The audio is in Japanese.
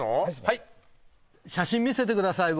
はい写真見せてください